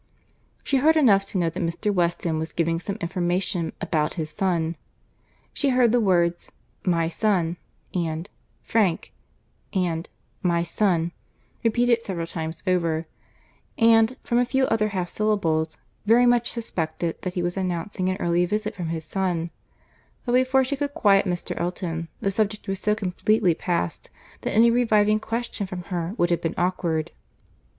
She heard enough to know that Mr. Weston was giving some information about his son; she heard the words "my son," and "Frank," and "my son," repeated several times over; and, from a few other half syllables very much suspected that he was announcing an early visit from his son; but before she could quiet Mr. Elton, the subject was so completely past that any reviving question from her would have been awkward.